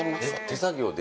手作業で？